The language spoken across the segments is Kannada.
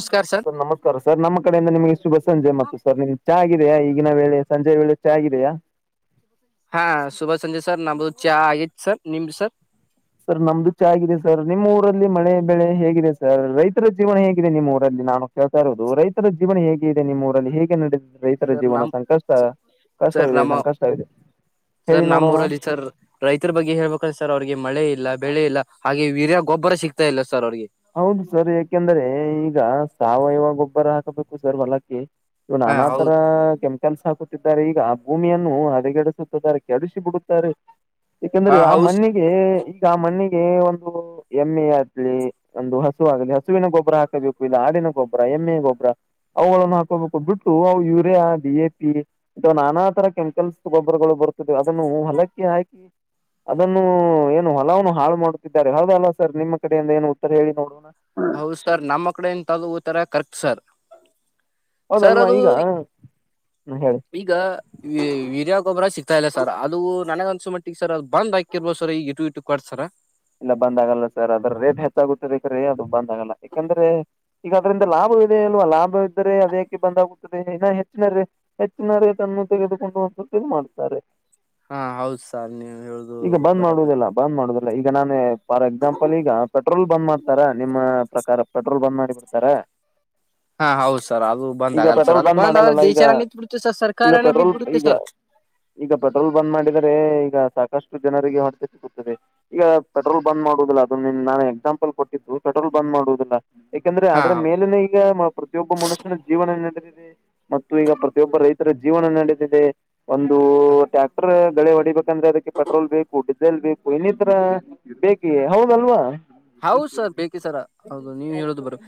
ನಮಸ್ಕಾರ ಸರ್ ನಮಸ್ಕಾರ ಸರ್ ನಮ್ಮ ಕಡೆಯಿಂದ ನಿಮಗೆ ಶುಭ ಸಂಜೆ ಮತ್ತು ಸರ ನಿಮ್ಮ ಚಾ ಆಗಿದೆಯಾ ಈಗಿನ ವೇಳೆ ಸಂಜೆ ವೇಳೆ ಚಾ ಆಗಿದೆಯಾ. ಹಾ ಶುಭ ಸಂಜೆ ಸರ್ ನಮ್ದದು ಚಾ ಆಗಿತ ಸರ್ ನಿಮ್ದ ಸರ್. ಸರ್ ನಮ್ದು ಚಾ ಆಗಿದೆ ಸರ್ ನಿಮ್ಮ ಊರಲ್ಲಿ ಮಳೆ ಬೆಳೆ ಹೇಗಿದೆ ಸರ್ ರೈತರ ಜೀವನ ಹೇಗಿದೆ ನಿಮ್ಮ್ ಊರಲ್ಲಿ ನಾನು ಹೇಳ್ತಾ ಇರೋದು ರೈತರ ಜೀವನ ಹೇಗ ಇದೆ ನಿಮ್ಮ ಊರಲ್ಲಿ ಹೇಗೆ ನಡಿತಾ ರೈತರ ಸರ್ ಜೀವನ ನಮ್ ಸಂಕಷ್ಟ ಸರ್ ಕಷ್ಟವಿದೆ ನಮ್ಮ ಸಂಕಷ್ಟವಿದೆ [inaudible] ಸರ್ ಹೇಳಿ ನಮ್ಮ ನೋಡೋಣ. ಊರಲ್ಲಿ ಸರ್ ರೈತರ ಬಗ್ಗೆ ಹೇಳ್ಬೇಕ ಅಂದ್ರೆ ಸರ್ ಅವ್ರಿಗೆ ಮಳೆ ಇಲ್ಲ ಬೆಳೆ ಇಲ್ಲ ಹಾಗೆ ವೀರ್ಯ ಗೊಬ್ಬರ ಸಿಗ್ತಾ ಇಲ್ಲ ಸರ್ ಅವ್ರಿಗೆ. ಹೌದು ಸರ್ ಯಾಕೆಂದ್ರೆ ಈಗ ಸಾವಯವ ಗೊಬ್ಬರ ಹಾಕಬೇಕು ಸರ ಹೊಲಕ್ಕೆ ಹಾ ಹೌದು ನಾನಾತರಾ ಕೆಮಿ ಕನ್ಸ ಹಾಕುತ್ತಿದ್ದಾರೆ ಈಗ ಆ ಭೂಮಿಯನ್ನು ಹದಗೆಡಿಸುತ್ತಿದ್ದಾರೆ ಕೆಡಿಶಿ ಬಿಡುತ್ತಾರೆ. ಹಾ ಯಾಕಂದ್ರೆ ಆ ಹೌಸ್ ಮಣ್ಣಿಗೆ ಈಗ ಆ ಮಣ್ಣಿಗೆ ಒಂದು ಎಮ್ಮೆ ಆಗ್ಲಿ. ಒಂದು ಹಸು ಆಗಲಿ ಹಸುವಿನ ಗೊಬ್ಬರ ಹಾಕಬೇಕು ಇಲ್ಲ ಆಡಿನ ಗೊಬ್ಬರ ಎಮ್ಮೆಯ ಗೊಬ್ಬರ. ಅವುಗಳನ್ನು ಹಾಕೊಬೇಕು ಬಿಟ್ಟು ಅವು ಯೂರಿಯಾ ಡಿ ಎ ಪಿ. ತವಾ ನಾನಾ ತರ ಕೆಮಿಕಲ್ಸ್ದ್ ಗೊಬ್ಬರಗಳು ಬರುತ್ತವೆ ಅದನ್ನು ಹೊಲಕ್ಕೆ ಹಾಕಿ. ಅದನ್ನು ಏನು ಹೊಲವನ್ನು ಹಾಳು ಮಾಡುತ್ತಿದ್ದಾರೆ ಹೌದಲ್ಲ ಸರ್ ನಿಮ್ಮ ಕಡೆಯಿಂದ ಏನು ಉತ್ತರ ಹೇಳಿ ನೋಡೋಣ. ಹೌದ ಸರ್ ನಮ್ಮ ಕಡೆ ಇಂತ ಉತ್ತರ ಕರೆಕ್ಟ್ ಸರ್. ಸರ್ ಹೌದಲ್ವಾ ಅದು ಈಗ ಹೇಳಿ ಈಗ. ವೀರ್ಯ ಗೊಬರ ಸಿಕ್ತಾ ಇಲ್ಲ ಸರ್ ಅದು ನನಗನ್ಸು ಮಟ್ಟಿಗೆ ಸರ್ ಅದು ಬಂದಾಕ್ಕಿರ್ಬೋದು ಸರ ಈಟು ಇಟು ಕೊಡ್ ಸರ. ಇಲ್ಲ ಬಂದ್ ಆಗಲ್ಲ ಸರ್ ಅದ್ರ ರೇಟ್ ಹೆಚ್ಚಾಗುತ್ತರಿ ಬೇಕಂದ್ರ ಅದು ಬಂದ್ ಆಗಲ್ಲ ಯಾಕಂದ್ರೆ. ಈಗ ಅದ್ರಿಂದ ಲಾಭವಿದೆ ಅಲ್ವಾ ಲಾಭ ಇದ್ದರೆೆ ಅದೇಕೆ ಬಂದಾಗುತ್ತದೆ ಇನ್ನ ಹೆಚ್ಚಿನ ಹೆಚ್ಚಿನರಿಗೆ ತನ್ನ ತೆಗೆದುಕೊಂಡುವದ್ದು ಮಾಡ್ತಾರೆ. ಹಾ ಹೌದ ಸಾರ್ ನೀವ್ ಹೇಳೋದು ಈಗ ಬಂದ್ ಬರೊಬರಿ. ಮಾಡುವುದಿಲ್ಲ ಬಂದ್ ಮಾಡುದಿಲ್ಲ ಈಗ ನಾನ. ಫಾರ್ ಎಕ್ಸಾಂಪಲ್ ಈಗ ಪೆಟ್ರೋಲ್ ಬಂದ್ ಮಾಡ್ತಾರ ನಿಮ್ಮ ಪ್ರಕಾರ ಪೆಟ್ರೋಲ್ ಬಂದ್ ಮಾಡಿ ಬಿಡ್ತಾರ. ಹಾ ಹೌದು ಸರ್ ಅದು ಬಂದ್ ಈಗ ಆಗಲ್ಲ ಸರ್ ಪೆಟ್ರೋಲ್ ಅದು ಬಂದ್ ಆದ್ರೆ ಮಾಡಲ್ಲಲ್ಲ ಈಗ ದೇಶನ ನಿಂತ್ ಬಿಡುತ್ತೆ ಸರ್ ಈಗ ಸರ್ಕಾರನೇ ಪೆಟ್ರೋಲ್ ಬೀದ್ಬಿಡುತ್ತೆ ಈಗ ಸರ್. ಈಗ ಪೆಟ್ರೋಲ್ ಬಂದ್ ಮಾಡಿದರೆ ಈಗ ಸಾಕಷ್ಟು ಜನರಿಗೆ ಹೊರ [unintelligible] ತೆ ಸಿಗುತ್ತದೆ. ಈಗ ಪೆಟ್ರೋಲ್ ಬಂದ್ ಮಾಡುದಿಲ್ಲ ಅದನ್ನ ನಾನ ಎಕ್ಸಾಂಪಲ್ ಕೊಟ್ಟಿದ್ದು ಪೆಟ್ರೋಲ್ ಬಂದ್ ಮಾಡುವುದಿಲ್ಲ. ಎಕಂದ್ರೆ ಹಾ ಅದ್ರ ಹೌದು ಮೇಲನೆ ಈಗ ಪ್ರತಿಯೊಬ್ಬ ಮನುಷ್ಯನ ಜೀವನ ನಡೆದಿದೆ. ಮತ್ತು ಈಗ ಪ್ರತಿಯೊಬ್ಬ ರೈತರ ಜೀವನ ನಡೆದಿದೆ. ಒಂದು ಹ ಟ್ಯಾಕ್ಟರ್ ಗಳೆ ಹೊಡಿಬೇಕಂದ್ರೆ ಅದಕ್ಕೆ ಪೆಟ್ರೋಲ್ ಬೇಕು ಡೀಸೆಲ್ ಬೇಕು ಎಲಿ ತ್ರ ಬೇಕಿಗ ಹೌದಲ್ವಾ. ಹೌದು ಸರ್ ಬೇಕ್ರಿ ಸರ ಹೌದು ನೀವು ಹೇಳುದು ಬರಬ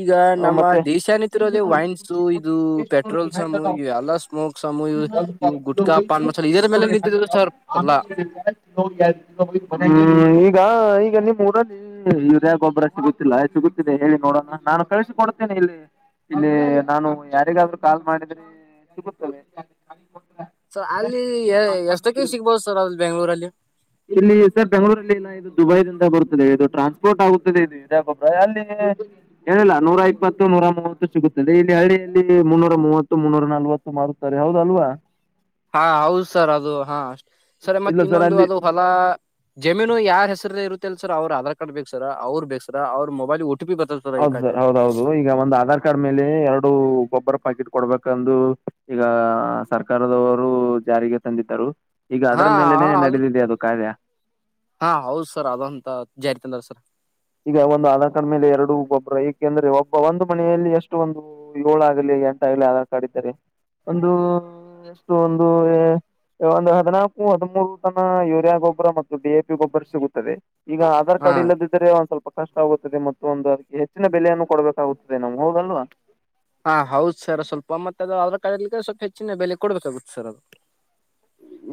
ಈಗ ನಮ್ಮ ಮತ್ತೆ ದೇಶಾನಿ ಇರದೆ ವೈನ್ಸ ಇದು ಪೆಟ್ರೋಲ್ ಸಮು ಇ ಎಲ್ಲಾ ಸ್ಮೋಕ್ ಸಮು ಇದ ಇವು ಗುಟ್ಕಾ ಪಾನ್ ಮಸಾಲ ಇದರ ಮೇಲೆ ನಿಂತಿದ ಸರ್ ಏಲ್ಲಾ. [unintelligible] ಹ್ಮ್ ಈಗ ಈಗ ನಿಮ್ ಊರಲ್ಲಿ ಯುರಿಯ ಗೊಬ್ಬರ. ಸಿಗುತ್ತಿಲ್ಲ ಸಿಗುತ್ತಿದೆ ಹೇಳಿ ನೋಡೋಣ ನಾನು. ಕಳ್ಸಿಕೊಡ್ತೇನೆ ಇಲ್ಲಿ ಇಲ್ಲಿ ನಾನು ಯಾರಿಗಾದ್ರೂ ಕಾಲ್ ಮಾಡಿದ್ರೆ ಸಿಗುತ್ತವೆ. [inaudible] ಸರ್ ಅಲ್ಲಿ ಎಷ್ಟಕೆ ಸಿಗ್ಬೋದು ಸರ್ ಅಲ್ಲಿ ಬೆಂಗ್ಳೂರಲ್ಲಿ. ಇಲ್ಲಿ ಸರ್ ಬೆಂಗಳೂರಲ್ಲಿ ದುಬೈದಿಂದ ಬರುತ್ತದೆ ಇದು ಟ್ರಾನ್ಸ್ಪೋರ್ಟ್ ಆಗುತ್ತದೆ ಇದು ಯೂರಿಯಾ ಗೊಬ್ಬರ ಎಲ್ಲೆದಿಲೆ. ಹೇಳಿಲ್ಲ ನೂರ ಇಪ್ಪತ್ತು ನೂರ ಮೂವತ್ತು ಸಿಗುತ್ತದೆ ಇಲ್ಲಿ ಹಳ್ಳಿಯಲ್ಲಿ ಮುನ್ನೂರ ಮೂವತ್ತು ಮುನ್ನೂರ ನಲ್ವತ್ತು. ಮಾರುತ್ತಾರೆ ಹೌದಲ್ವಾ. ಹಾ ಹೌದು ಸರ್ ಅದು ಹಾ ಸರ ಮತ್ತೆ ಇಲ್ಲ ಸರ್ ಇನ್ನೊಂದು ಅಲ್ಲಿ ಅದು ಹೊಲ. ಜಮೀನು ಯಾರ್ ಹೆಸರಲ್ಲಿ ಇರುತ್ತೆ ಅಲ್ ಸರ್ ಅವ್ರ ಆಧಾರ್ ಕಾರ್ಡ್ ಬೇಕ ಸರ ಅವ್ರ್ ಬೇಕ್ ಸರ ಅವ್ರ ಮೊಬೈಲ್ಗೆ ಓ ಟಿ ಪಿ ಬರ್ ಹೌದು ಸರ್ ಹೌದೌದು ಈಗ ಒಂದು ಆಧಾರ್. ಕಾರ್ಡ್ ಮೇಲೆ ಎರಡು ಗೊಬ್ಬರ ಪಾಕೆಟ್ ಕೊಡಬೇಕಂದು ಈಗ ಸರ್ಕಾರದವರು ಜಾರಿಗೆ ತಂದಿದ್ದರು ಈಗ ಹಾ ಅದರ ಹಾ ಮೇಲೆನೆ ನಡೆದಿದೆ ಅದು ಕಾರ್ಯ. ಹಾ ಹೌದ್ ಸರ್ ಅದೊಂದ ಜಾರಿ ತಂದಾರ ಸರ್. ಈಗ ಒಂದು ಆಧಾರ್ ಕಾರ್ಡ್ ಮೇಲೆ ಎರಡು ಗೊಬ್ಬರ ಏಕೆಂದ್ರೆ ಒಬ್ಬ ಒಂದು ಮನೆಯಲ್ಲಿ ಎಷ್ಟು ಒಂದು. ಯೊಳಾಗಲಿ ಎಂಟಾಗಲಿ ಆಧಾರ್ ಕಾರ್ಡ್ ಇದ್ದಾರೆ ಒಂದು ಎಷ್ಟು ಒಂದು ಎ. ಒಂದು ಹದಿನಾಲ್ಕು ಹದಿಮೂರು ತನ ಯೂರಿಯಾ ಗೊಬ್ಬರ ಮತ್ತು ಡಿ ಎ ಪಿ ಗೊಬ್ಬರ ಸಿಗುತ್ತದೆ. ಈಗ ಆಧಾರ್ ಹಾ ಕಾರ್ಡ್ ಇಲ್ಲದಿದ್ದರೆ. ಸ್ವಲ್ಪ ಕಷ್ಟಾಗುತ್ತದೆ ಮತ್ತು ಒಂದು ಹೆಚ್ಚಿನ ಬೆಲೆಯನ್ನು ಕೊಡಬೇಕಾಗುತ್ತದೆ ನಮ್ಗ ಹೌದಲ್ವಾ. ಹಾ ಹೌದು ಸರ್ ಸ್ವಲ್ಪ ಮತ್ತೆ ಅದು ಅದ್ರ ಕಡೆಲಿದ್ದ ಸ್ವಲ್ಪ್ ಹೆಚ್ಚಿನ ಬೆಲೆ ಕೊಡ್ಬೇಕಾಗುತ್ತೆ ಸರ್ ಅದು.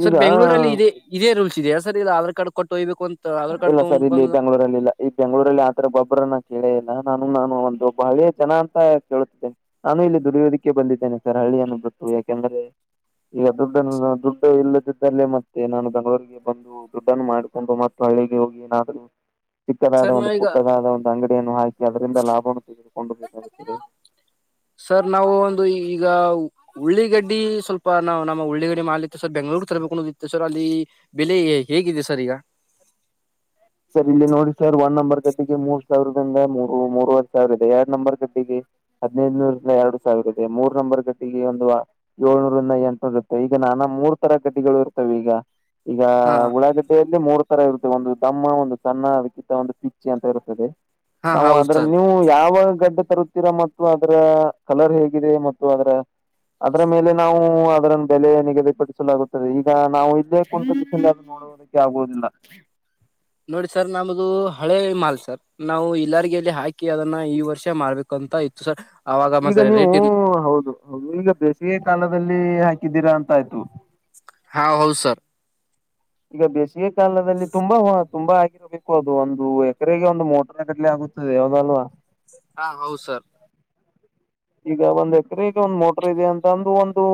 ಸರ್ ಈಗ ಬೆಂಗ್ಗಳೂರಲ್ಲಿ ಇದೇ ಇದೇ ರೂಲ್ಸ್ ಇದೆಯಾ ಸರ್ ಇಲ್ಲಿ ಆಧಾರ್ ಕಾರ್ಡ್ ಕೊಟ್ಟೋಯ್ಬೇಕು ಅಂತ. ಆಧಾರ್ ಕಾರ್ಡ್ ಇಲ್ಲ ತಗೊಂಡ್ ಸರ್ ಇಲ್ಲಿ ಬಂದು ಬೆಂಗ್ಳೂರಲ್ಲಿಲ್ಲ. ಈ ಬೆಂಗ್ಳೂರಲ್ಲಿ ಆತರ ಗೊಬ್ಬ್ರನ ಕೇಳೇ ಇಲ್ಲ ನಾನು ನಾನು ಒಂದು ಒಬ್ಬ ಹಳೇ ಜನ ಅಂತ ಕೇಳುತ್ತಿದ್ದೇನೆ. ನಾನು ಇಲ್ಲಿ ದುಡಿಯೋದಕ್ಕೆ ಬಂದಿದ್ದೇನೆ ಸರ್ ಹಳ್ಳಿಯನ್ನ ಬಿಟ್ಟು ಯಾಕೆಂದರೆ. ಈಗ ದುಡ್ಡನ್ನು ದುಡ್ಡು ಇಲ್ಲದಿದ್ದಲ್ಲಿ ಮತ್ತೆ ನಾನು ಬೆಂಗಳೂರಿಗೆ ಬಂದು ದುಡ್ಡನ್ನು ಮಾಡಿಕೊಂಡು ಮತ್ತೆ ಹಳ್ಳಿಗೆ ಹೋಗಿ ಏನಾದ್ರೂ ಚಿಕ್ಕದಾದ ಸರ್ ಒಂದು ನಾವ್ ಈಗ ಪುಟ್ಟದಾದ ಒಂದು ಅಂಗಡಿಯನ್ನು ಹಾಕಿ ಅದರಿಂದ ಲಾಭವನ್ನು ತೆಗೆದುಕೊಂಡು ಬೇಕಾಗುತ್ತದೆ. ಸರ್ ನಾವು ಒಂದು ಈಗ ಉಳ್ಳೀಗಡ್ಡಿ ಸ್ವಲ್ಪ ನಾವು ನಮ್ಮ ಉಳ್ಳೀಗಡ್ಡಿ ಮಾಡಲಿಕ್ ಸರ್ ಬೆಂಗಳೂರು ತರ್ಬೇಕನ್ನೋದಿತ್ತು ಸರ್ ಅಲ್ಲಿ ಬೆಲೆ ಹೇಗಿದೆ ಸರ್ ಈಗ. ಸರ್ ಇಲ್ಲಿ ನೋಡಿ ಸರ್ ಒಂದ್ ನಂಬರ್ ಗಡ್ಡಿಗೆ ಮೂರ್ ಸಾವಿರದಿಂದ ಮೂರು ಮೂರ್ವರೆ ಸಾವಿರ ಇದೆ ಎರಡ್ ನಂಬರ್ ಗಡ್ಡಿಗೆ. ಹದ್ನೈದುನೂರಿಂದ ಎರಡು ಸಾವಿರ ಇದೆ ಮೂರ್ ನಂಬರ್ ಗಡ್ಡಿಗೆ ಒಂದು. ಏಳ್ನೂರಿಂದ ಎಂಟ್ನೂರ್ ಇರುತ್ತೆ ಈಗ ನಾನಾ ಮೂರ್ ತರ ಗಡ್ಡಿಗಳು ಇರ್ತವೀಗ. ಈಗ ಹಾ ಉಳ್ಳಾಗಡ್ಡೆಯಲ್ಲಿ ಮೂರ್ ತರ ಇರುತ್ತೆ ಒಂದು. ದಮ್ಮ ಒಂದು ಸಣ್ಣ ಅದಕ್ಕಿಂತ ಒಂದು ಪಿಚ್ಚೆ ಅಂತ ಇರುತ್ತದೆ ಹಾ ನಾವು ಹೌದು ಸರ್ ಅದ್ರನ್ಯೂ ವು ಯಾವ ಗಡ್ಡೆ ತರುತ್ತೀರಾ ಮತ್ತು ಅದ್ರ ಕಲರ್ ಹೇಗಿದೆ ಮತ್ತು ಅದ್ರ. ಅದ್ರ ಮೇಲೆ ನಾವು ಅದ್ರನ್ ಬೆಲೆ ನಿಗದಿಪಡಿಸಲಾಗುತ್ತದೆ ಈಗ ನಾವು ಇದೆ. [unintelligible] ಸೋರಿಕೆ ಆಗೊದಿಲ್ಲ. ನೋಡಿ ಸರ್ ನಮದು ಹಳೇ ಮಾಲ್ ಸರ್ ನಾವು ಇಲ್ಲಾರ್ಗಿಲ್ಲಿ ಹಾಕಿ ಅದನ್ನ ಈ ವರ್ಷ ಮಾಡ್ಬೇಕುಂತ ಇತ್ತು. ಸರ್ ಆವಾಗ ಮತ್ತ ರೇಟ್ ಇರ್ ಹೊ ಹೌದು. ಒಮ್ಮಿಗೆ ಬೇಸಿಗೆ ಕಾಲದಲ್ಲಿ ಹಾಕಿದ್ದೀರಾ ಅಂತ ಆಯ್ತು. ಹಾ ಹೌದು ಸರ್. ಈಗ ಬೇಸಿಗೆ ಕಾಲದಲ್ಲಿ ತುಂಬಾ ಹೊ ತುಂಬಾ ಹಾ ಬಬೇಕು ಅದು ಒಂದು ಎಕರೆಗೆ ಒಂದು ಮೋಟರ್ ಕಡ್ಲೆ ಆಗುತ್ತದೆ ಹೌದಲ್ವಾ. ಹಾ ಹೌದು ಸರ್. ಈಗ ಒಂದ್ ಎಕರೆಗೆ ಒಂದ್ ಮೋಟರ್ ಇದೆ ಅಂತ ಅಂದು ಒಂದು.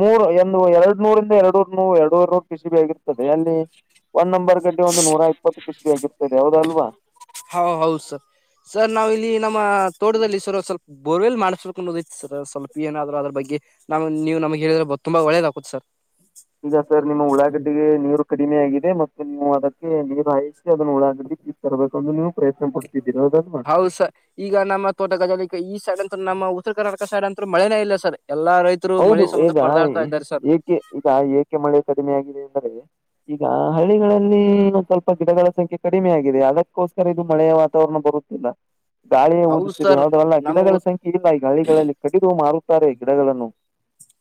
ಮೂರು ಎಂದು ಎರಡ್ನೂರಿಂದ ಎರಡುವರ್ ಎರಡುವರ್ ನೋಡ್ ಪಿಸಿಬಿ ಆಗಿರ್ತದೆ ಅಲ್ಲಿ ಒನ್ ನಂಬರ್. ಗಡ್ಡೆ ಒಂದು ನೂರ ಇಪ್ಪತ್ತು ಪಿಸಿಬಿ ಆಗಿರ್ತದೆ ಹೌದಲ್ವಾ. ಹಾ ಹೌದು ಸರ್ ಸರ್ ನಾವು ಇಲ್ಲಿ ನಮ್ಮ ತೋಟದಲ್ಲಿ ಸರ ಸ್ವಲ್ಪ್ ಬೋರ್ವೆಲ್ ಮಾಡಿಸ್ಬೇಕನ್ನೋದ್ ಇತ್ ಸರ ಸ್ವಲ್ಪ್ ಏನಾದ್ರು ಅದ್ರ್ ಬಗ್ಗೆ. ನಾವು ನೀವು ನಮಗ್ ಹೇಳಿದ್ರೆ ತುಂಬ ಒಳ್ಳೇದ್ ಆಕುತ್ ಸರ್. ಈಗ ಸರ್ ನಿಮ್ಮ ಉಳ್ಳಾಗಡ್ಡಿಗೆ ನೀರು ಕಡಿಮೆ ಆಗಿದೆ ಮತ್ತೆ ನೀವು ಅದಕ್ಕೆ ನೀರು ಹಾಯಿಸಿ ಅದನ್ನು ಉಳಾಗಡ್ಡಿ. ಇ ತರಬೇಕಂದು ನೀವು ಪ್ರಯತ್ನ ಪಡ್ತಿದ್ದೀರಿ ಹೌದಲ್ಲ. ಹೌದ್ ಸ. ಈಗ ನಮ್ಮ ತೋಟಗಜಾಲಕ್ಕೆ ಈ ಸೈಡ್ ಅಂತ ನಮ್ಮ ಉತ್ತರ ಕರ್ನಾಟಕ ಸೈಡ್ ಅಂತ್ರ ಮಳೆನೇ ಇಲ್ಲ ಸರ್ ಎಲ್ಲ ರೈತ ಹೌದು ಈಗ ಏಕೆ ಈಗ ಏಕೆ ಮಳೆ ಕಡಿಮೆ ಆಗಿದೆ ಅಂದರೆ. ಈಗ ಹಳ್ಳಿಗಳಲ್ಲಿ ಇನ್ನೊಂದ್ ಸ್ವಲ್ಪ ಗಿಡಗಳ ಸಂಖ್ಯೆ ಕಡಿಮೆ ಆಗಿದೆ ಅದಕ್ಕೋಸ್ಕರ ಇದು ಮಳೆಯ ವಾತಾವರಣ ಬರುತ್ತ ಇಲ್ಲ ಗಾಳಿಯೇ ಹೌದು ಓದುತ್ತಿದೆ ಸರ್ ಹೌದೊ ಅಲ್ಲ ನಮ್ಮ ಗಿಡಗಳ ಉತ್- ಸಂಖ್ಯೆ. ಹಿಡಿದ ಈ ಗಾಳಿಗಳಲ್ಲಿ ಕಡಿದು ಮಾರುತ್ತಾರೆ ಗಿಡಗಳನ್ನು.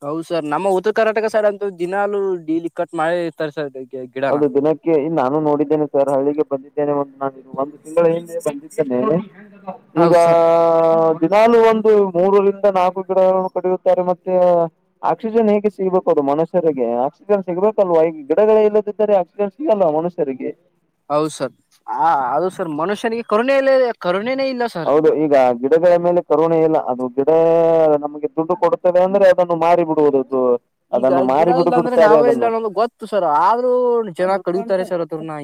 ಹೌದು ಸರ್ ನಮ್ಮ ಉತ್ತರ ಕರ್ನಾಟಕ ಸೈಡ್ ಅಂತು ದಿನಾಲೂ ಡೇಲಿ ಕಟ್ ಮಾಡೆ ಇರ್ತಾರೆ ಸರ್ ಗಿಡನ. ಗೆ ನಾನು ನೋಡಿದ್ದೇನೆ ಸರ್ ಹಳ್ಳಿಗೆ ಬಂದಿದ್ದೇನೆ ಒಂದು ನಾನು ಒಂದ್ ತಿಂಗಳ ಹಿಂದೆ ಬಂದಿದ್ದೇನೆ ಈಗ. ಹೌದು ಸರ್ ದಿನಾಲೂ ಒಂದು ಮೂರರಿಂದ ನಾಕು ಗಿಡಗಳನ್ನು ಕಡಿಯುತ್ತಾರೆ ಮತ್ತು. ಆಕ್ಸಿಜನ್ ಹೇಗೆ ಸಿಗ್ಬೇಕು ಅದು ಮನುಷ್ಯರಿಗೆ ಆಕ್ಸಿಜನ್ ಸಿಗ್ಬೇಕಲ್ವಾ ಈ ಗಿಡಗಳೇ ಇಲ್ಲದ [unintelligible] ಸಿಗಲ್ಲ ಮನುಷ್ಯರಿಗೆ. ಹೌದ ಸರ್ ಆ ಅದು ಸರ್ ಮನುಷ್ಯನಿಗೆ ಕರುಣೆ ಇಲ್ಲ ಕರುಣೆನೇ ಇಲ್ಲ. ಸರ್ ಹೌದು ಈಗ. ಗಿಡಗಳ ಮೇಲೆ ಕರೋಣೆ ಇಲ್ಲ ಅದು ಗಿಡ ನಮಗೆ ದುಡ್ಡು ಕೊಡ್ತದೆ ಅಂದ್ರೆ ಅದನ್ನು ಮಾರಿ ಬಿಡುವುದು. ಈಗ ಅದನ್ನು ಗಿಡ ಮಾರಿ ಇಲ್ಲ ಬಿಡು ಅಂದ್ರೆ ಬಿಡುತ್ತಾರೆ ನಾವೇ ಇಲ್ಲ ಅದನ್ನು ಅನ್ನೋದು ಗೊತ್ತು ಸರ್ ಆದ್ರೂ ಜನ ಕಡೀತಾರೆ ಸರ್ ಅದ್ರನ್ನ.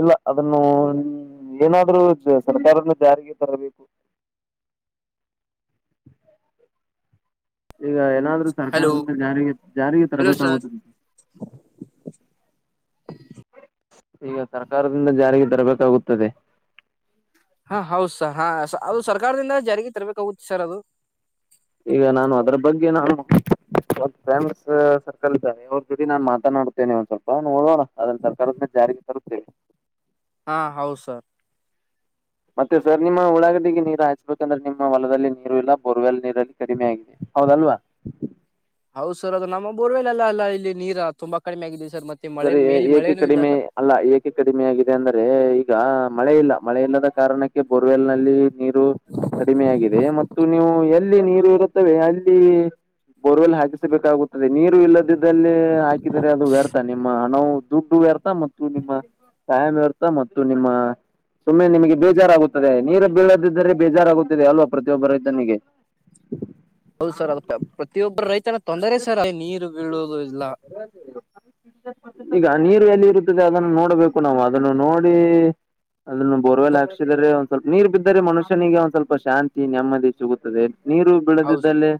ಇಲ್ಲ ಅದನ್ನು ಏನಾದ್ರೂ. ಸರ್ಕಾರದಿಂದ ಜಾರಿಗೆ ತರಬೇಕು. ಈಗ ಏನಾದ್ರೂ ಹಲೋ ಸರ್ಕಾರದಿಂದ ಜಾರಿಗೆ ಜಾರಿಗೆ ಹಲೋ ಸರ್ ತರಬೇಕಾಗುದ. ಈಗ ಸರ್ಕಾರದಿಂದ ಜಾರಿಗೆ ತರಬೇಕಾಗುತ್ತದೆ. ಹಾ ಹೌದಸ ಹಾ ಅದು ಸರ್ಕಾರದಿಂದ ಜಾರಿಗೆ ತರ್ಬೇಕಾಗುತ್ತೆ ಸರ್ ಅದು. ಈಗ ನಾನು ಅದ್ರ ಬಗ್ಗೆ ನಾನು. ಫ್ರೆಂಡ್ಸ್ ಸರ್ಕಲ್ ಇದ್ದಾರೆ ಅವ್ರ ಜೊಡಿ ನಾನು ಮಾತನಾಡುತ್ತೇನೆ ಒಂದ್ ಸ್ವಲ್ಪ ನೋಡೋಣ ಅದನ್ ಸರ್ಕಾರದ ಮೇಲೆ ಜಾರಿಗೆ. ತರುತ್ತೇವೆ [inaudible] ಹಾ ಹೌದು ಸರ್. ಮತ್ತೆ ಸರ್ ನಿಮ್ಮ ಉಳಾಗಡಿಗೆ ನೀರು ಹಚ್ಬೇಕಂದ್ರೆ ನಿಮ್ಮ ಹೊಲದಲ್ಲಿ ನೀರು ಇಲ್ಲ ಬೋರ್ವೆಲ್ ನೀರಲ್ಲಿ ಕಡಿಮೆ ಆಗಿಲ್ಲ. ಹೌದಲ್ವಾ. ಹೌದು ಸರ್ ಅದು ನಮ್ಮ ಬೋರ್ವೆೇಲೆಲ್ಲ ಅಲ್ಲ ಇಲ್ಲಿ ನೀರ ತುಂಬಾ ಕಡಿಮೆ ಆಗಿದೆ ಸರ್ ಮತ್ತೆ. ಮಳೆ ಸರಿ ಮೇಲೆ ಏಕೆ ಮಳೆನೂ ಇಲ್ಲ ಕಡಿಮೆ. ಸರ್ ಅಲ್ಲ ಏಕೆ ಕಡಿಮೆ ಆಗಿದೆ ಅಂದ್ರೆ ಈಗ ಮಳೆ ಇಲ್ಲ ಮಳೆ ಇಲ್ಲದ ಕಾರಣಕ್ಕೆ ಬೋರ್ವೆಲ್ ನಲ್ಲಿ ನೀರು. ಕಡಿಮೆಯಾಗಿದೆ ಮತ್ತು ನೀವು ಎಲ್ಲಿ ನೀರು ಇರುತ್ತವೆ ಅಲ್ಲಿ. ಬೋರ್ವೆಲ್ ಹಾಕಿಸಬೇಕಾಗುತ್ತದೆ ನೀರು ಇಲ್ಲದಿದ್ದಲ್ಲಿ ಹಾಕಿದರೆ ಅದು ವ್ಯಥ. ನಾವು ದುಡ್ಡು ವ್ಯರ್ಥ ಮತ್ತು ನಿಮ್ಮ ಟಾಯಾಮ್ ವ್ಯರ್ಥ ಮತ್ತು ನಿಮ್ಮ. ಸುಮ್ಮನೆ ನಿಮಗೆ ಬೇಜಾರಾಗುತ್ತದೆ ನೀರು ಬೀಳದಿದ್ದರೆ ಬೇಜಾರಾಗುತ್ತಿದೆ ಅಲ್ವಾ ಪ್ರತಿಯೊಬ್ಬ ರೈತನಿಗೆ. ಹೌದು ಸರ್ ಅದು ಪ್ರತಿಯೊಬ್ಬರು ರೈತನ ತೊಂದರೆ ಸರ್ ನೀರು ಬೀಳುವುದು ಇಲ್ಲ. [inaudible] ಈಗ ನೀರು ಎಲ್ಲಿ ಹರಿಯುತ್ತದೆ ಅದನ್ನು ನೋಡ್ಬೇಕು ನಾವು ಅದನ್ನು ನೋಡಿ. ಅದನ್ನು ಬೋರ್ವೆಲ್ ಸರ್ ಹಾಕ್ಸಿದರೆ ಒಂದ ಸ್ವಲ್ಪ. ನೀರು ಬಿದ್ದರೆ ಮನುಷ್ಯನಿಗೆ ಒಂದ್ ಸ್ವಲ್ಪ ಶಾಂತಿ ನೆಮ್ಮದಿ ಸಿಗುತ್ತದೆ ನೀರು. ಹೌದು ಸರ್ ಬೆಳದಿದ್ದಲ್ಲೆ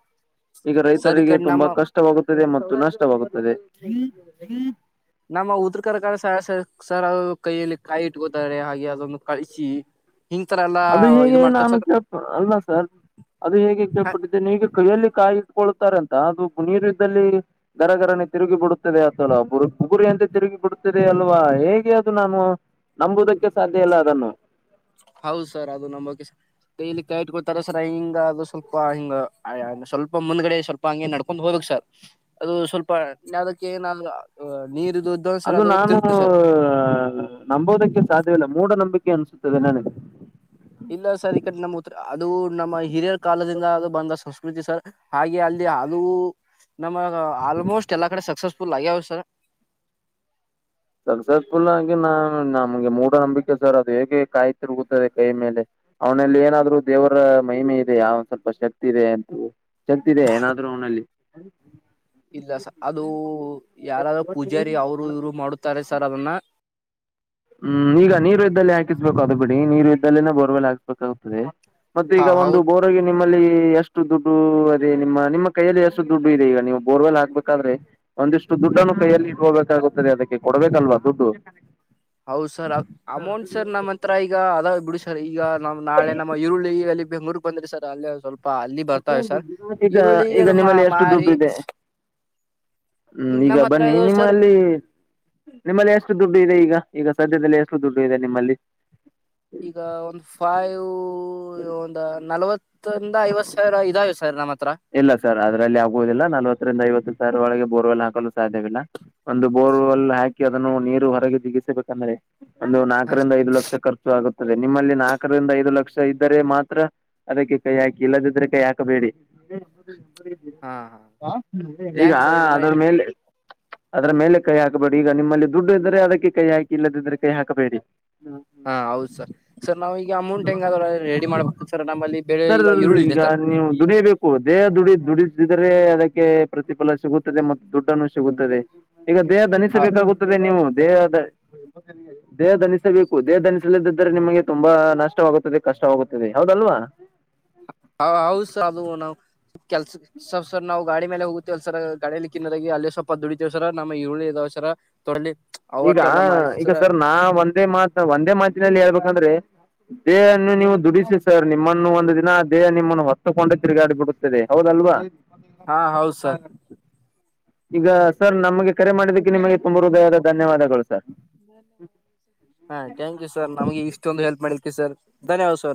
ಈಗ ರೈ. ಸರ್ ಈ ಕಡೆ ನಮ್ಮ ನಷ್ಟವಾಗುತ್ತದೆ ಮತ್ತು ನಷ್ಟವಾಗುತ್ತದೆ. ನಮ್ಮ ಉತ್ರಕರಕರ ಸಸ. ಸರ್ ಅದು ಕೈಯಲ್ಲಿ ಕಾಯಿಟ್ಕೊತಾರೆ ಹಾಗೆ ಅದನ್ನು ಕಳಿಸಿ. ಈ ತರ ಎಲ್ಲ. ಅದು ಹೀಗೆ ನಾನು ಕೇಳ್ತದ ಅಲ್ಲ ಸರ್ ಅದು ಹೇಗೆ ಕೇಳ್ಪಟ್ಟಿದ್ದೇನೆ ಹೀಗೆ ಕೈಯಲ್ಲಿ ಕಾಯಿ. ಕೊಳ್ಳತಾರೆ ಅಂತ ಅದು ನೀರು ಇದ್ದಲ್ಲಿ. ಗರಗರನಿ ತಿರುಗಿ ಬಿಡುತ್ತದೆ ಅಥವಾ ಬುಗುರಿ ಅಂತೆ ತಿರುಗಿ ಬಿಡತದೆ ಅಲ್ವಾ ಹೇಗೆ ಅದು ನಾನು. ನಂಬೋದಕ್ಕೆ ಸಾಧ್ಯ ಇಲ್ಲ ಅದನ್ನು. ಹೌದು ಸರ್ ಅದು ನಮಗೆ. ಕೈಲಿ ಕೈ ಇಟ್ಕೊಳ್ತಾರ ಸರ ಹಿಂಗ ಅದು ಸ್ವಲ್ಪ ಹಿಂಗ ಸ್ವಲ್ಪ ಮುಂದ್ಗಡೆ ಸ್ವಲ್ಪ. ಹಂಗೆ ನಡ್ಕೊಂಡ್ ಹೋಗ್ಬೇಕು ಸರ್ ಅದು ಸ್ವಲ್ಪ ಯಾವದಕ್ಕೆ ನಾನ ನೀರುದು. ಅದು ನಾನು ನಂಬೋದಕ್ಕೆ ಸಾಧ್ಯವಿಲ್ಲ ಮೂಢ ನಂಬಿಕೆ ಅನ್ಸುತ್ತದೆ ನನಗೆ. ಇಲ್ಲ ಸರ್ ಈ ಕಡೆ ನಮ್ಮ್ ಉತ್ರ ಅದು ನಮ್ಮ ಹಿರಿಯರ ಕಾಲದಿಂದ ಅ ಬಂದ ಸಂಸ್ಕೃತಿ ಸರ್. ಹಾಗೆ ಅಲ್ಲಿ ಅದೂ ನಮ್ಮಗ ಆಲ್ಮೋಸ್ಟ್ ಎಲ್ಲಾ ಕಡೆ ಸಕ್ಸಸ್ಫುಲ್ ಆಗ್ಯಾವ ಸರ್. ಸಕ್ಸಸ್ಫುಲ್ ಆಗಿ ನಾ ನಮ್ಗೆ ಮೂಢನಂಬಿಕೆ ಸರ್ ಅದು ಹೇಗೆ ಕಾಯ್ ತಿರುಗುತ್ತದೆ ಕೈ ಮೇಲೆ. ಅವನಲ್ಲಿ ಏನಾದ್ರೂ ದೇವರ ಮಹಿಮೆ ಇದೆಯ ಒಂದ ಸ್ವಲ್ಪ ಶಕ್ತಿ ಇದೆ ಅಂತ. ದೆ ಏನಾದ್ರು ಅವ್ನಲ್ಲಿ ಇಲ್ಲ ಸ ಅದು ಯಾರಾದೂ ಪೂಜಾರಿ ಅವರು ಇವ್ರು ಮಾಡುತ್ತಾರೆ ಸರ್ ಅದನ್ನ ಹ್ಮ್ ಈಗ ನೀರು ಇದ್ದಲ್ಲಿ ಹಾಕಿಸ್ಬೇಕು ಅದು ಬಿಡಿ ನೀರು ಇದ್ದಲ್ಲಿನ ಬೋರ್ವೆಲ್ ಹಾಕಿಸ್ಬೇಕಾಗುತ್ತದೆ. ಮತ್ತೆ ಹಾ ಈಗ ಹೌದು ಒಂದು ಬೋರ್ ನಿಮ್ಮಲ್ಲಿ ಎಷ್ಟು ದುಡ್ಡು ಅದೇ ನಿಮ್ಮ ನಿಮ್ಮ ಕೈಯಲ್ಲಿ ಎಷ್ಟು ದುಡ್ಡು ಇದೆ ಈಗ ನೀವು ಬೋರ್ವೆಲ್ ಹಾಕ್ಬೇಕಾದ್ರೆ ಒಂದಿಷ್ಟು ದುಡ್ಡನ್ನು ಕೈಯಲ್ಲಿ ಇಟ್ಕೋಬೇಕಾಗುತ್ತದೆ ಅದಕ್ಕೆ ಕೊಡ್ಬೇಕಲ್ವಾ ದುಡ್ಡು. ಹೌದು ಸರ್ ಅಮೌಂಟ್ ಸರ್ ನಮ್ಮತ್ ತ್ರ ಈಗ ಅದಾವ್ ಬಿಡಿ ಸರ್ ಈಗ ನಮ್ ನಾಳೆ ನಮ್ಮ ಈರುಳ್ಳಿ ಅಲ್ಲಿ ಬೆಂಗಳೂರಿಗೆ ಬಂದ್ರೆ ಸರ್ ಅಲ್ಲೆ ಸ್ವಲ್ ಅಲ್ಲಿ ಬರ್ತಾವೆ ಸರ್ ಈಗ ಈರುಳ್ಳಿ ಈಗ ಅದು ಮಾ ನಿಮ್ಮಲ್ಲಿ ಎಷ್ಟು ದುಡ್ಡು ಮಾರಿ ಇದೆ ಹ್ಮ್ ಈಗ ನಮ್ಮ ಹತ್ರ ಬನ್ನಿ ಇದು ನಿಮ್ಮ ಸರ್ ಲ್ಲಿ ನಿಮ್ಮಲ್ಲಿ ಎಷ್ಟು ದುಡ್ಡು ಇದೆ ಈಗ ಈಗ ಸದ್ಯದಲ್ಲಿ ಎಷ್ಟು ದುಡ್ಡು ಇದೆ ನಿಮ್ಮಲ್ಲಿ ಈಗ ಒಂದು ಫೈವ್ ಒಂದ್ ನಲವತ್ ತ್ತಿಂದ ಐವತ್ತು ಸಾವಿರ ಇದಾವೆ ಸರ್ ನಮ್ಮತ್ರ ಇಲ್ಲ ಸರ್ ಅದರಲ್ಲಿ ಆಗುವುದಿಲ್ಲ ನಲವತ್ತರಿಂದ ಐವತ್ತು ಸಾವಿರ ಒಳಗೆ ಬೋರ್ವೆಲ್ ಹಾಕಲು ಸಾಧ್ಯವಿಲ್ಲ. ಒಂದು ಬೋರ್ವೆಲ್ ಹಾಕಿ ಅದನ್ನು ನೀರು ಹೊರಗೆ ಜಿಗಿಸಬೇಕಂದ್ರೆ ಒಂದು ಹಾ ನಾಲ್ಕರಿಂದ ಐದು ಲಕ್ಷ ಖರ್ ಆಗುತ್ತದೆ ನಿಮ್ಮಲ್ಲಿ ನಾಕರಿಂದ ಐದು ಲಕ್ಷ ಇದ್ದರೆ ಮಾತ್ರ ಅದಕ್ಕೆ ಕೈ ಹಾಕಿ ಇಲ್ಲದಿದ್ರೆ ಕೈ ಹಾಕಬೇಡಿ ಹಾ ಹ್ಮ್ ಈಗ ಥ್ಯಾಂಕ್ಸ್ ಸರ್ ಇದನ್ನ ಅದ್ರ ಹೇಳಿದ ಮೇಲೆ ಅದರ ಮೇಲೆ ಕೈ ಹಾಕಬೇಡಿ ಈಗ ನಿಮ್ಮಲ್ಲಿ ದುಡ್ಡು ಇದ್ದರೆ ಅದಕ್ಕೆ ಕೈ ಹಾಕಿ ಇಲ್ಲದಿದ್ರೆ ಕೈ ಹಾಕಬೇಡಿ. ಹಾ ಹೌದ್ ಸರ್ ಸರ್ ನಾವ ಈಗ ಅಮೌಂಟ್ ಹೆಂಗಾದರ ರೆಡಿ ಮಾಡ್ಬಕು ಸರ್ ನಮ್ಮಲ್ಲಿ ಬೆಳೆ ಸರೀಲ್ ಈರುಳ್ಳಿ ಇದೆ ಈಗ ಸರ್ ನೀವು ದುಡಿಬೆ ಓ ದೇಹ ದುಡಿ ದುಡಿಸಿದರೆ ಅದಕ್ಕೆ ಪ್ರತಿಫಲ ಸಿಗುತ್ತದೆ ಮತ್ತು ದುಡ್ಡನ್ನು ಸಿಗುತ್ತದೆ. ಈಗ ದೇಹ ಧನಿಸ ಹಾ ಬೇಕಾಗುತ್ತದೆ ನೀವು ದೇಹದ [inaudible] ದೇಹ ದಣಿಸಬೇಕು ದೇಹ ಧಣಿಸಲಿದಿದ್ದರೆ ನಿಮಗೆ ತುಂಬಾ ನಷ್ಟವಾಗುತ್ತದೆ ಕಷ್ಟವಾಗುತ್ತದೆ ಹೌದಲ್ವಾ. ಆ ಹೌದ್ ಸ ಅದು ನಾವು ಕೆಲ್ಸ ಸರ್ ಸರ್ ನಾವು ಗಾಡಿ ಮೇಲೆ ಹೋಗತಿವಲ್ ಸರ ಗಾಡಿಯಲ್ಲಿ ಕಿನ್ನದಾಗ ಅಲ್ಲಿ ಸ್ವಲ್ಪ ದುಡಿತವ ಸರ ನಮ್ಮ ಈರುಳ್ಳಿ ಇದಾವ ಸರ ತೊಡಲಿ ಈಗ ಅವಟ್ಟು ಎಲ್ಲ ಮಾರಿಸಿ ಈಗ ಸರ ಸರ್ ನಾ ಒಂದೇ ಮಾತ ಒಂದೇ ಮಾತಿನಲ್ಲಿ ಹೇಳ್ಬೇಕಂದ್ರೆ ದೇಹನ್ನು ನೀವು ದುಡಿಸಿ ಸರ್ ನಿಮ್ಮನ್ನು ಒಂದು ದಿನ ದೇಹ ನಿಮ್ಮನ್ನು ಹೊತ್ತುಕೊಂಡು ತಿರುಗಾಡಿಬಿಡು ತ್ತದೆ ಹೌದಲ್ವ. ಹಾ ಹೌದ್ ಸರ್ ಈಗ ಸರ್ ನಮ್ಗೆ ಕರೆ ಮಾಡಿದ್ದಕ್ಕೆ ನಿಮಗೆ ತುಂಬು ಹೃದಯದ ಧನ್ಯವಾದಗಳು ಸರ್. ಹಾ ಥ್ಯಾಂಕ್ ಯು ಸರ್ ನಮ್ಗೆ ಇಷ್ಟೊಂದು ಹೆಲ್ಪ್ ಮಾಡಿದ್ಕೆ ಸರ್ ಧನ್ಯವಾದ ಸರ್.